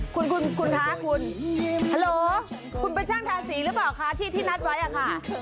คุณคุณคะคุณฮัลโหลคุณเป็นช่างทาสีหรือเปล่าคะที่นัดไว้อะค่ะ